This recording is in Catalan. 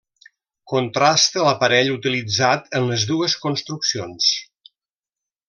Contrasta l'aparell utilitzat en les dues construccions.